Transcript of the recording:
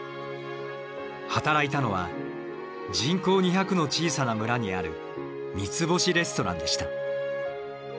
働いたのは人口２００の小さな村にある三つ星レストランでした。